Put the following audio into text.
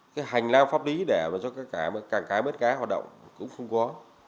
cái hành lang pháp lý để cho cảng cá mất cá hoạt động cũng không có